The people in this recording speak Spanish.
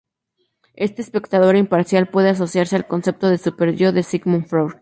Este espectador imparcial puede asociarse al concepto de superyó, de Sigmund Freud.